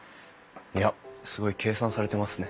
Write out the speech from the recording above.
いやすごい計算されてますね。